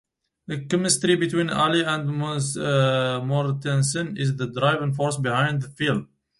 The chemistry between Ali and Mortensen is the driving force behind the film.